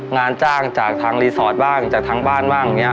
งานจ้างจากทางรีสอร์ทบ้างจากทางบ้านบ้าง